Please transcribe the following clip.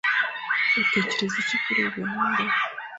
Utekereza iki kuri iyi gahunda?